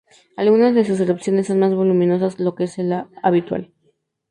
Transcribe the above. Algunas de sus erupciones son más voluminosas de lo que es habitual.